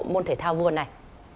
môn thể thao vua này